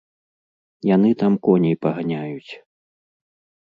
Яны там коней паганяюць.